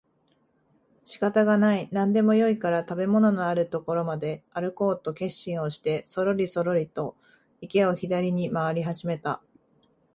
仕方がない、何でもよいから食物のある所まであるこうと決心をしてそろりそろりと池を左に廻り始めた